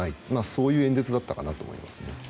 そういう演説だったかなと思います。